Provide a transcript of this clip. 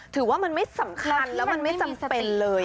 ถือว่ามันไม่สำคัญแล้วมันไม่จำเป็นเลย